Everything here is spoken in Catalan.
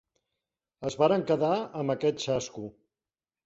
Es varen quedar amb aquest xasco.